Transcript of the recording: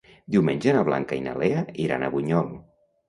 Diumenge na Blanca i na Lea iran a Bunyol.